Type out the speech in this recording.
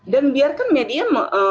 dan biarkan media